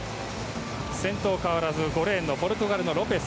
先頭変わらず５レーンのポルトガルのロペス。